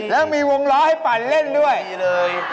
และมีวงมัวล้อให้ผ่านเล่นด้วย